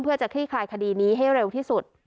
เพื่อจะคลี่คลายคดีนี้ให้เร็วที่สุด